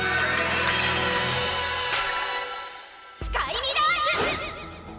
スカイミラージュ！